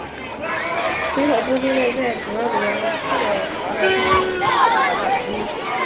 其头部现在在德罗赫达的中展出。